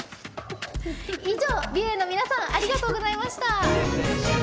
以上美炎‐ＢＩＥＮ‐の皆さんありがとうございました。